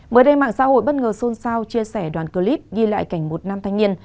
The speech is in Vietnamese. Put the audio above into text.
mới đây mạng xã hội bất ngờ xôn xao chia sẻ đoàn clip ghi lại cảnh một nam thanh niên